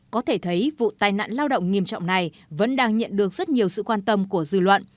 có thể thấy vụ tai nạn lao động nghiêm trọng này vẫn đang nhận được rất nhiều sự quan tâm của dư luận